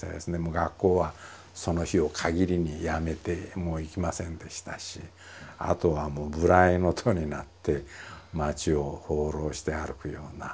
学校はその日を限りにやめてもう行きませんでしたしあとはもう無頼の徒になって町を放浪して歩くような。